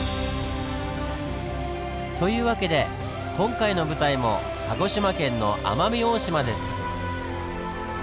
というわけで今回の舞台も鹿児島県の奄美大島です！